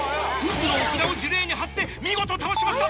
渦のお札を呪霊に貼って見事倒しました。